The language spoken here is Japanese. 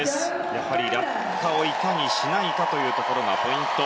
やはり落下をいかにしないかというところがポイント。